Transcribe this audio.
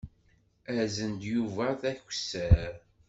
Azen-d Yuba d akessar.